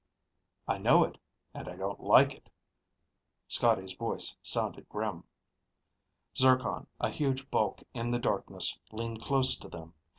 "I know it. And I don't like it." Scotty's voice sounded grim. Zircon, a huge bulk in the darkness, leaned close to them.